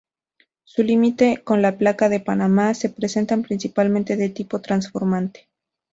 Su límite con la placa de Panamá se presenta principalmente de tipo transformante.